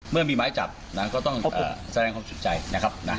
เมื่อมีไม้จับนะก็ต้องแสดงความคิดใจนะครับนะ